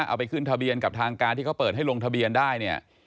เอาไปขึ้นทะเบียนกับทางการที่เขาเปิดให้ลงทะเบียนได้เนี่ย